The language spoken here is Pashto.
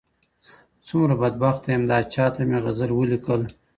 څومره بدبخته یم داچاته مي غزل ولیکل